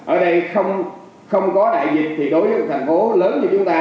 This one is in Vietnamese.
ở đây không có đại dịch thì đối với thành phố lớn cho chúng ta